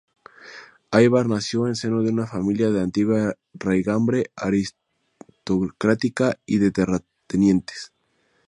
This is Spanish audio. Aybar nació en seno de una familia de antigua raigambre, aristocrática y de terratenientes.